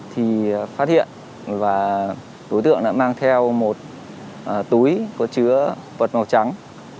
thì phát hiện và đối tượng đã mang theo một túi có chứa vật màu trắng